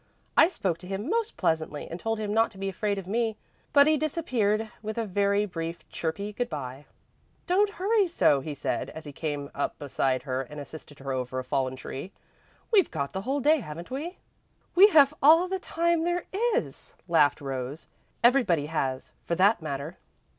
I spoke to him most pleasantly and told him not to be afraid of me, but he disappeared with a very brief, chirpy good bye." "Don't hurry so," he said, as he came up beside her and assisted her over a fallen tree. "We've got the whole day, haven't we?" "We have all the time there is," laughed Rose. "Everybody has, for that matter."